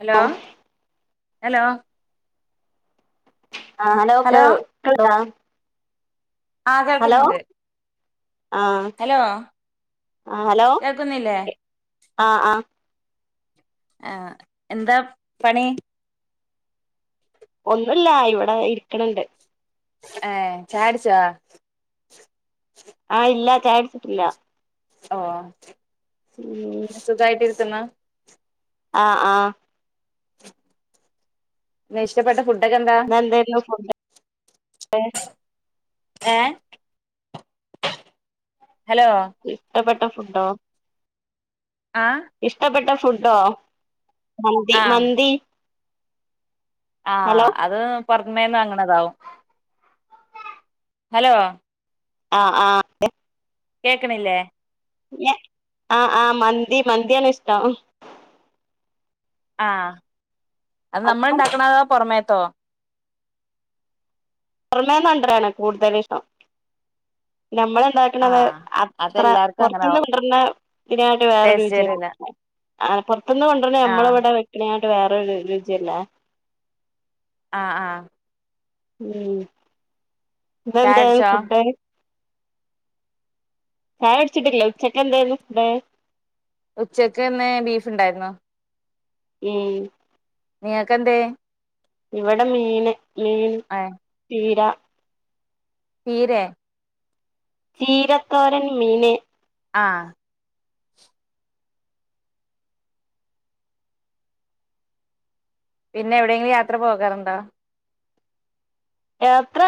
Hello ഓ hello ആഹ് hello കേൾ കേൾക്കുണോ ആഹ് കേൾക്കുന്നുണ്ട് ആഹ് ഹലോ ആഹ് ഹലോ കേൾക്കുന്നില്ലേ ആഹ് ആഹ് ആഹ് എന്താ പണി ഒന്നൂല്ല ഇവിടെ ഇരിക്കണ് ണ്ട് ഏഹ് ചായൊടിച്ചോ ആഹ് ഇല്ല ചായൊടിച്ചിട്ടില്ല ഓഹ് ഉം സുഖായിട്ടിരുത്തുന്ന ആഹ് ആഹ് ഇഷ്ടപ്പട്ട ഫുഡൊക്കെന്താ എന്തായിരുന്നു ഫുഡ് ഏ ഹലോ ഇഷ്ടപ്പെട്ട ഫുഡോ ആ ഇഷ്ടപ്പെട്ട ഫുഡോ മന്തി ആ മന്തി ഹലോ ആഹ് അത് പുറത്തുമേന്നന്ന് വാങ്ങണതാവും ഹലോ ആഹ് ആഹ് കേൾക്കണില്ലേ ഞ ആഹ് ആഹ് മന്തി മന്തിയാണ് ഇഷ്ടം ആഹ് അത് നമ്മൾ അധികം ഉണ്ടാക്കണതോ പുറമേത്തോ പുറമേ നണ്ടരാണ് കൂടുതല ഇഷം നമ്മളെണ്ടാ ആ ക്കുന്നത്. അത്ര അതെല്ലാർക്കും പുറത്തന്ന് അങ്ങനാവും കൊണ്ടാരുന്ന ഇതിനായിട്ട് വേറൊരു ടേസ്റ്റ് രുചിയാ വരില്ല ആഹ് പുറത്തനിന്ന് കൊണ്ടോരണ ആ നമ്മള ഇവിടെ വെക്കണായിട്ട് വേറൊരു രുചിയല്ല ആഹ് ആഹ് ഉം ഇന്ന്എന്തേനി ചായടിച്ചോ ഫുഡ് ചായ കുടിച്ചിട്ടിലെ ഉച്ചക്ക് എന്തേനി ഫുഡ് ഉച്ചക്ക്ന്ന് ബീഫ് ഉണ്ടായിരുന്നു ഉം നിങ്ങൾക്ക് എന്തേ ഇവിടെ മീന് മീൻ ഏ തീര പിരെ ചീരത്തോരൻ മീന് ആഹ് പിന്നെ എവിടെയെങ്കിലും യാത്ര പോകാറുണ്ടോ യാത്ര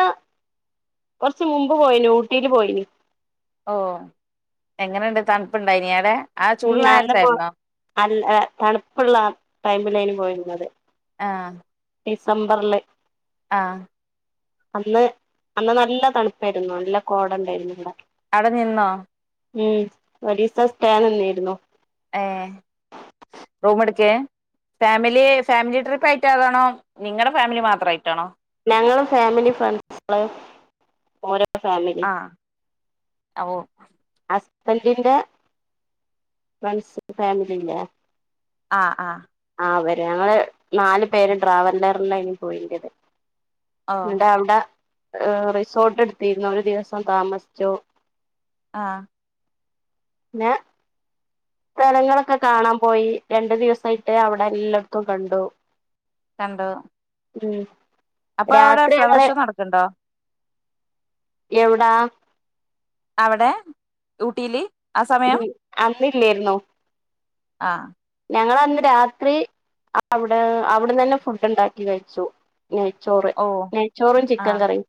കുറച്ച് മുമ്പ് പോയന് ഊട്ടിയില് പോയന് ഓ എങ്ങനെുണ്ട് തണുപ്പുണ്ടായിനിടെ ഉം അന്നപ്പോ അല്ല തണുപ്പുള്ള ടൈമിലന് പോയിരുന്നത് ആഹ് ഡിസംബറില് ആഹ് അന്ന് അന്ന് നല്ല തണുപ്പായിരുന്നു നല്ല കോട ഉണ്ടായിരുന്നു ഇവിടെ അവിടെ നിന്നോ ഉം ഒഡീസ സ്റ്റൻന്നായിന്നോ ഏഹ്‌ റോമടക്ക ഫാമിലി ഫാമിലി ട്രിപ്പ് ആയിട്ട് അതാണോ നിങ്ങളുടെ ഫാമിലി മാത്രം ആയിട്ടാണോ ഞങ്ങള് ഫാമിലി ഫ്രണ്ട്സള് ഓരോ ഫാമിലി ആഹ് ഓഹ്‌ ഹസ്ബൻറിന്റെ ഫ്രണ്ട്സി ഫാമിലിന്റെ ആഹ് ആഹ് ആഹ് വര ഞങ്ങള് നാലല് പേര് ട്രാവലറിലായിന് പോയിറ്റേ ഓ അവിടെ റിസോർട്ട് എടുത്തിരുന്നു ഒരു ദിവസം താമസിച്ചു ആഹ് പിന്നെ സ്ഥലങ്ങളൊക്കെ കാണാൻ പോയി രണ്ടു ദിവസമായിട്ട് അവിടെ എല്ലായിടത്തും കണ്ടു കണ്ടോ ഉം രാത്രി ഫ്ലവർ അങ്ങനെ ഷോ നടക്ക്ണ്ടോ എവിടാ അവിടെ ഊട്ടിലെ അന്ന് ഇല്ലായിന്നോ ആഹ് ഞങ്ങളെ അന്ന് രാത്രി അവിടെ അവിടെന്ന് തന്നെ ഫുഡ് ഉണ്ടാക്കി കഴിച്ചു നെയ്ച്ചോറ് ഓ നെയ്ച്ചോറും ചിക്കൻ ആഹ് കറിയും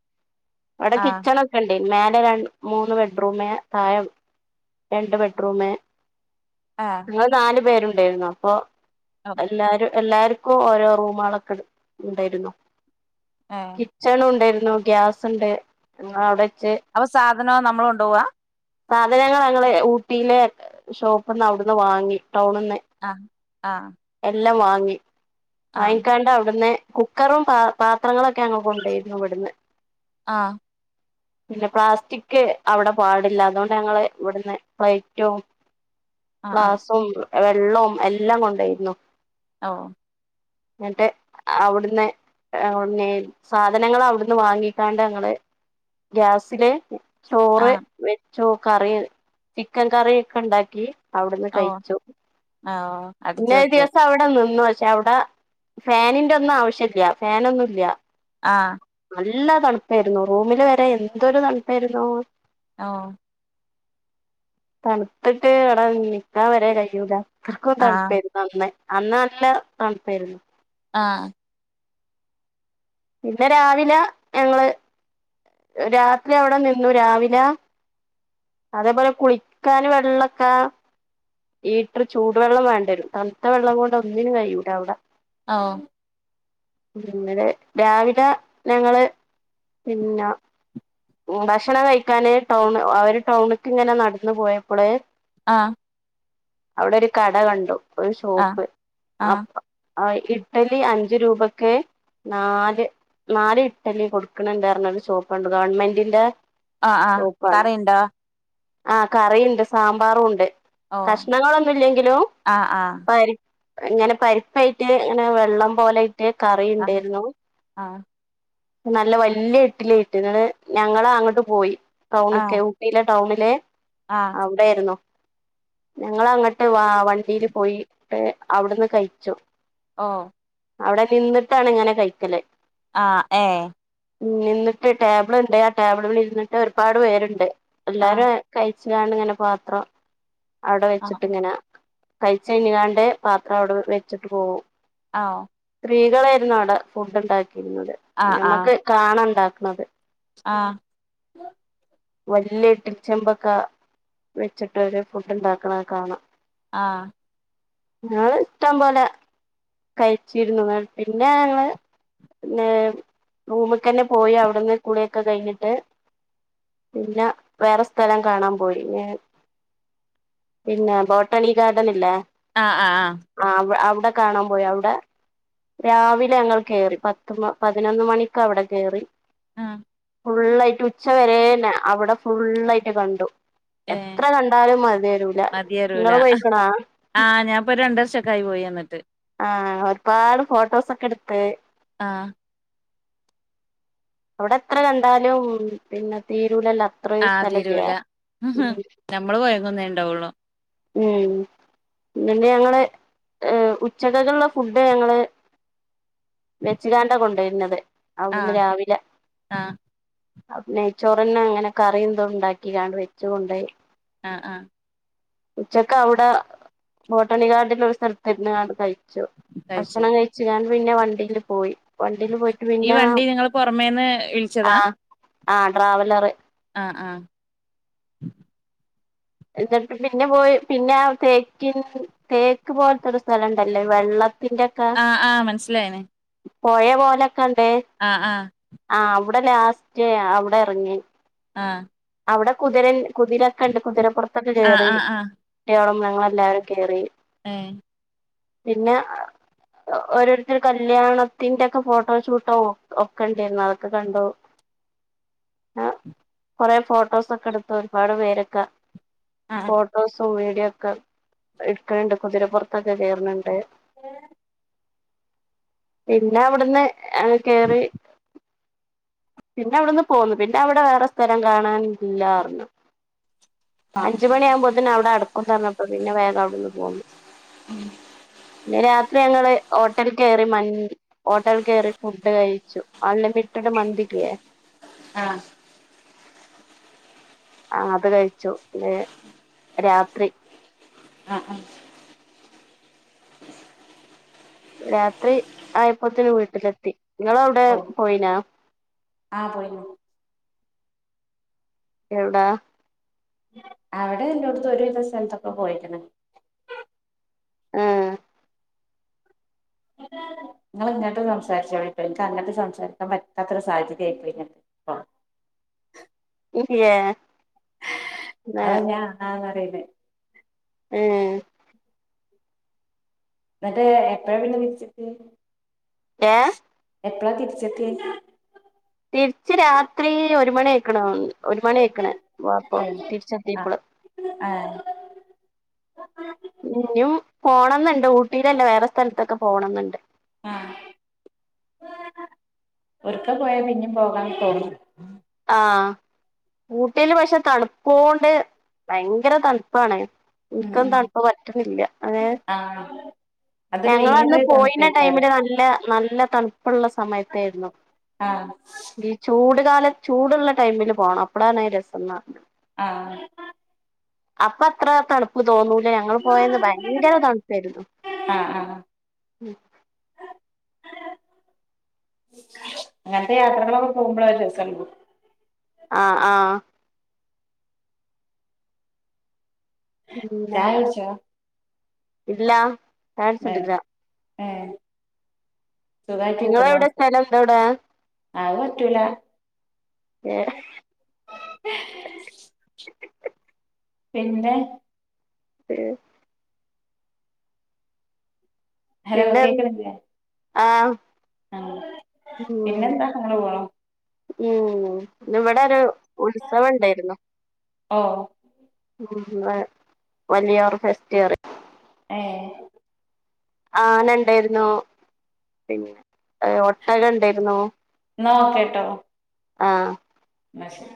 അവിടെ ആഹ് കിച്ചൺ ണ്ടേ മേലെ ര മൂന്ന് ബെഡ്റൂമെ താഴെ രണ്ട് ബെഡ്റൂം ആഹ് അത് നാലു പേരുണ്ടായിരുന്നു അപ്പൊ ഓ എല്ലാരും എല്ലാരും ഓരോ റൂമുകളൊക്കെ ഉണ്ടായിന്നു ആഹ്‌ കിച്ചൺ ഉണ്ടായിരുന്നു ഗ്യാസ് ഉണ്ട് ഞങൾ അവിടെ വച്ച് അപ്പൊ സാധനം നമ്മള് കൊണ്ടുപോവാ സാധനങ്ങൾ ഞങ്ങള് ഊട്ടിയിലെ ഷോപ്പിനിന്ന് അവിടുന്ന് വാങ്ങി ടൈ ണുന്ന് ആഹ്‌ ആഹ്‌ എല്ലാം വാങ്ങി വാങ്ങിക്കാണ്ട് അവിടുന്ന് കുക്കറും പ പാത്രങ്ങളൊക്കെ ഞങൾ കൊണ്ടുപോയിരുന്നു ഇവിടുന്ന് ആഹ് ഇല്ല പ്ലാസ്റ്റിക് അവിടെ പാടില്ല അതുകൊണ്ട് ഞങ്ങള് ഇവിടുന്ന് പ്ലേറ്റും ആഹ് ആഹ് ഗ്ലാസും വെള്ളവും എല്ലാം കൊണ്ടയിരുന്നു ഓഹ്‌ എന്നിട്ട് അവിടുന്ന് അവിടുന്ന് സാധനങ്ങ അവിടുന്ന് വാങ്ങിക്കാണ്ട് ഞങ്ങള് ഗ്യാസില് ആ ചോറ് വെച്ചു കറി ചിക്കൻ കറി ഒക്കെ ഉണ്ടാക്കി അവിടുന്ന് ഓ കഴിച്ചു ആ ഓ അടിച്ചു പിന്നേ ഒരു അടിച്ചു ദിവസം അവിടെ നിന്നു പക്ഷെ അവിടെ ഫാനിന്റെ ഒന്നും ആവശ്യംല്ല ഫാനൊന്നുംല്ല ആഹ് നല്ല തണുപ്പായിരുന്നു റൂമില് വരെ എന്തൊരു തണുപ്പായിരുന്നു ആഹ് തണുത്തിട്ട് അവിടെ നിക്കാൻ വരെ കഴിയൂല്ല അത്രർക്കും ആ തണുപ്പായിരുന്ന് നന്നെ അന്ന് നല്ല തണുപ്പായിരുന്നു ആഹ് പിന്ന രാവിലെ ഞങ്ങള് രാത്രി അവിടെ നിന്നു രാവിലെ അതേപോലെ കുളിക്കൻ വെള്ളമൊക്കാ ഈറ്റർ ചൂടുവെള്ളം വേണ്ടവരും തണു വെള്ളം കൊണ്ട് ഒന്നിനുംകഴിയൂല അവിടെ ആ പിന്നത് രാവില ഞങ്ങള് പിന്നെ ഭക്ഷണം കഴിക്കാന് ടൗണ് അവര് ടൗണക്ക് ഇങ്ങനെ നടന്ന പോയപ്പോള് ആഹ് അവിടെ ഒരു കട കണ്ടു ഒരു ആ ഷോപ്പ് ആ അപ്പ ആ ഇട്ടലി അഞ്ച് രൂപക്ക് നാല് നാല് ഇഡലി കൊടുക്കണണ്ടായിരുന്ന ഒരു ഷോപ്പുണ്ട് ഗവൺമെന്റ് ഇല ആ ആ ഷോപ്പാണ് കറിയുണ്ടോ ആഹ് കറിയുണ്ട് സാമ്പാറും ഉണ്ട് ഓ കഷ്ണങ്ങളൊന്നുംല്ലെങ്കിലും ആ ആ പരിപ്പ് ഇങ്ങനെ പരിപ്പായിട്ട് ഇങ്ങനെ വെള്ളം പോലൊയിട്ട് ആ കറിുണ്ടായിരുന്നു ആ നല്ല വലിയ ഇഡലി കിട്ടും ഞങ്ങള അങ്ങോട്ട് പോയി ആ ടൗണൊക്കെ യിലെ ടൗണിലെ ആ അവിടെ ആായിരുന്നു ഞങ്ങ ൾ അങ്ങോട്ട് വ വണ്ടിയില് പോയിട്ട് ഫുഡ്‌ അവിടുന്ന് കഴിച്ചു ഓ അവിടെ ന്നിന്നിട്ടാണ് ങ്ങനെ കഴിക്കല് ആഹ് ഏ നിന്നിട്ട് ടേബിള് ണ്ട് ആ ടേബിള്മേ ഇര്ന്നിട്ട് ഒര്പാട് പേര്ണ്ട് ആ എല്ലാരും കഴിച്ച്കാണ്ട് ങ്ങനെ പാത്രം അവിടെ ആ വെച്ചിട്ട്ങ്ങനെ കഴ്ച്ചഴ്ഞ്കാണ്ട് പാത്രം അവ്ടെ വെച്ചിട്ട് പോവും ആഹ് സ്ത്രീകളെര്ന്നു അവിടെ ഫുഡ് ണ്ടാക്കിയിരുന്നത് ആ ഞമ്മക്ക് കാണ ണ്ടാക് ണത് ആഹ് വല്ല്യെ ട്ടി ചെമ്പൊക്കെ വെച്ചിട്ടൊര് ഫുഡ് ണ്ടാക്ക്‌ണേ കാണാ ആഹ് ഞങ്ങള് ഇഷ്ടം പോലെ കഴിച്ചിരുന്നു പിന്നെ ഞങ്ങള് പിന്ന റൂമ്ക്കെന്നെ പോയ അവിട്ന്ന് കുളിയൊക്കെ കഴിഞ്ഞിട്ട് പിന്നെ വേറെ സ്ഥലം കാണാം പോയി പിന്നെ ബോട്ടാണി ഗാർഡനി ല്ലേ ആഹ് ആഹ് ആഹ് ആഹ് അവ്ടെ കാണാൻ പോയി അവ്ടെ രാവിലെ ഞങ്ങൾ കെറി പത്ത് മ പതിനൊന്ന് മണിക്ക് അവ്ടെ കെറി ആഹ് ഫുള്ളായ്ട്ട് ഉച്ച വരെന്നെ അവ്ടെ ഫുള്ളായിട്ട് കണ്ടു ഏ എത്ര കണ്ടാലും മതി വെരൂല മതിയരൂല ഇങ്ങള് പോയ്ക്ക്‌ണാ കൈ പോയി എന്നിട്ട് ആഹ് ഒര് പാട് ഫോട്ടോസൊക്കെ ട്ത്ത് ആഹ് ഇവടെ എത്ര കണ്ടാലും പിന്നെ തീരുലല്ലോ ആഹ് തീരൂല ഞമ്മള് കൊയ്ങ്ങുന്നേ ണ്ടാവുള്ളു. ഉം പിന്ന ഞങ്ങള് ഏ ഉച്ചക്കെക്ക്‌ള്ള ഫുഡ് ഞങ്ങള് വെച്ച്കാണ്ടാ കൊണ്ടേയ്ര്ന്നത് ആ അവ്ട്ന്ന് രാവിലെ ആ നെയ്‌ചൊറെന്നെ അങ്ങനെ കറിതും ണ്ടാക്കിക്കാണ്ട് വെച്ച് കൊണ്ടോയി. ആഹ് ആഹ് ഉച്ചക്ക് അവ്ടെ ബോട്ടാണി ഗാർഡിലോര് സ്ഥലത്ത്ര്ന്ന് കാണ്ട് കഴിച്ചു. കഴിച്ചു ഭക്ഷണം കഴി ഞാൻ പിന്നെ വണ്ടില് പോയി വണ്ടില് പോയിട്ട് ഈ പിന്നെ വണ്ടി നിങ്ങള് പൊറമേന്ന് വിളിച്ചതാ ആഹ് ആഹ് ട്രാവലറ് ആഹ് ആഹ് എന്നിട്ട് പിന്നെ പോയി പിന്നെ തേക്കി തേക്ക് പോലത്തോര് സ്ഥലംണ്ടല്ലോ വെള്ള ത്ത്‌ ന്റെക്കെ ആഹ് ആഹ് മനസ്സിലായിന് പോഴ പോലൊക്കെണ്ട് ആഹ് ആഹ് ആഹ് അവ്ടെ ലാസ്റ്റ് അവ്ടെ എറ്ങ്ങി ആഹ് അവ്ടെ കുതിരൻ കുതിരൊക്കെ ണ്ട് കുതിരപ്പോറ്ത്തൊക്കെ ആഹ് കേറി. ആഹ് ആഹ് ട്ടികളും ഞങ്ങളെല്ലാരും കേറി ഏ പിന്നെ ഓരോര്ത്തര് കല്യാണത്തിന്റെക്കെ ഫോട്ടോഷൂട്ടോ ഒക്കെ ണ്ടേര്ന്നു അതൊക്കെ കണ്ടു. [inaudible] ആഹ് കൊറേ ഫോട്ടോസൊക്കെ ടുത്തു ഒരുപാട് പേരൊക്കെ ആഹ് ഫോട്ടോസും വീഡിയോ ക്കെ എട്ക്ണ് ണ്ട് കുതിരപ്പോറ്ത്തൊക്കെ കേറ്ണ്ണ്ട് ഏ പിന്നെ അവിട്ന്ന് കേറി പിന്നെ അവിടെന്ന് പോന്നു പിന്നെ അവിടെ വേറെ സ്ഥലം കാണാനില്ലാറ്ഞ്ഞു അഞ്ചുമണിയമ്പോത്തന്നെ അവിടെ അടക്കുന്നറഞ്ഞപ്പോ പിന്നെ വേഗവടവിന്ന് പോന്നു. [inaudible] രാത്രിങ്ങള് ഹോട്ടൽ കേറി മന്തി ഹോട്ടൽ കേറി ഫുഡ് കയിച്ചു. അൺലിമിറ്റട് മന്തില്ലേ? ആഹ് ആ അത് കയിച്ചു പിന്നരാത്രി ആഹ് ആ രാത്രി ആയപ്പോത്തന് വീട്ടിലെത്തി നിങ്ങളെവിടെ ഓഹ് പോയിനാ ആഹ് പോയിന് എവ്ടാ അവിടെല്ലൊട്ത്തും ഒരുവിധ സ്ഥലത്തൊക്കെ പോയിക്ണ് ആഹ് ഇങ്ങള് ഇങ്ങട്ട് സംസാരിച്ചോളിട്ടോ എൻക്ക് അങ്ങോട്ട് സംസാരിക്കാൻ പറ്റാത്തൊരു സാഹചര്യയായിപോയിണ് ഹ്‌ഹിയേ അതാ ഞാൻ ആ ന്നറിണ മ് എന്നിട്ടേ എപ്പഴാപിന്നെ തിരിച്ചെത്തിയേ ഏഹ് എപ്പളാ തിരിച്ചെത്തിയേ തിരിച്ച് രാത്രി ഒരു മണിയായ്ക്കണ് ഒരു മണിയിക്ക്ണ് പ്പോ ആഹ് ആഹ് തിരിച്ചെത്തിയപ്പോള് ആഹ് ഇഞ്ഞും പോണന്നുണ്ട് ഊട്ടിയിലല്ലേ വേറെ സ്ഥലത്തൊക്കെ പോണന്നുണ്ട്. ആഹ് ഒരിക്ക പോയാപിന്നും പോകാൻ തോന്നു. ആഹ് ഊട്ടില് പഷെ തണുപ്പോണ്ട് ഭയങ്കര തൺപ്പാണ് ഉം എനിക്കൊന്നു ഉം തൺപ്പ്പറ്റുന്നില്ല അതെ ആഹ് അതൊരു ഞങ്ങളന്ന് വേറൊരു പോയിന തണുപ്പേക്കാരം ടൈമില് നല്ല നല്ല തൺപ്പുള്ള സമയത്തേയരുന്നു ആഹ് ചൂട്കാല ചൂടുള്ള ടൈമില് പോണം അപ്പളാണ് രസു ആഹ് അപ്പത്ര തണുപ്പ് തോന്നൂല ഞങ്ങള് പോയന്ന് ഭയങ്കര തണുപ്പേരുന്നു ആഹ് ആ ഇങ്ങൻത്തെ യാത്രകളൊക്കെ പോകുമ്പോള് രെസുണ്ടാവു ആഹ് ആഹ് ചായുടിച്ചോ ഇല്ലാ ഏഹ് ഏഹ് സുഖായിട്ടക്കരിക്കന്നാ നിങ്ങളെവിടെ സ്ഥലം എന്തവിടെ അഹ് പറ്റൂലാ ഏഹ് പിന്നെ [unintelligible] ഹലോ പിന്നെ കേക്കണില്ലേ ആഹ് ആഹ് ഉം പിന്നെന്താ അങ്ങനെ പോണു ഉം ഇവിടൊരു ഉത്സവണ്ടേരുന്നു ഓഹ് ഉം വേ വല്യോർഫെസ്റ്റ്റിയും ഏഹ് ആനണ്ടേര്ന്നോ പിന്നെ ഒട്ടകണ്ടേര്ന്നോ ന്നാ ഓക്കെട്ടോ ആഹ് മശെ